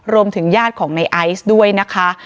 รวมถึงญาติของในไอศ์ด้วยนะคะ